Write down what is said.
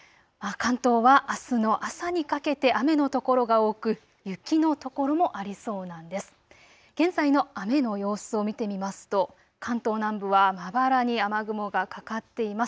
関東はあすの朝にかけて雨の所が多く雪の所もありそうなんです。